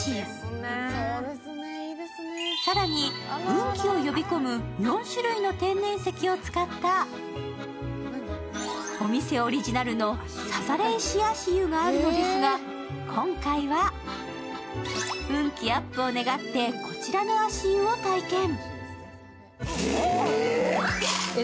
運気を呼び込む４種類の天然石を使ったお店オリジナルのさざれ石足湯があるのですが、今回は運気アップを願って、こちらの足湯を体験。